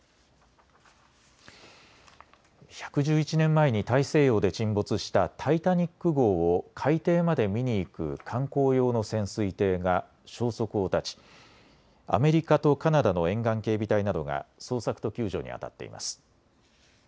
１１１年前に大西洋で沈没したタイタニック号を海底まで見に行く観光用の潜水艇が消息を絶ちアメリカとカナダの沿岸警備隊などが捜索と救助にあたっています。